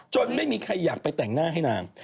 ไม่มีใครอยากไปแต่งหน้าให้นาง